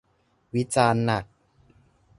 วิจารณ์หนัก